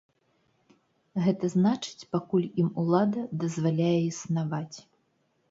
Гэта значыць, пакуль ім улада дазваляе існаваць.